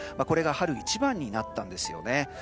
これが春一番になったんですよね。